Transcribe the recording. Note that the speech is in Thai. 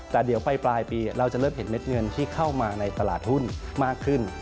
แต่เดี๋ยวไปปลายปีเราจะเริ่มเห็นเม็ดเงินที่เข้ามาในตลาดหุ้นมากขึ้น